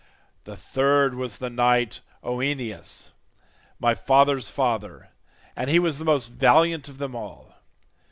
The third was the knight Oeneus, my father's father, and he was the most valiant of them all.